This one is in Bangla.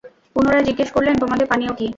পুনরায় জিজ্ঞেস করলেনঃ তোমাদের পানীয় কি?